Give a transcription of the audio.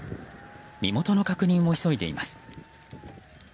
身元の確認を急いでいます。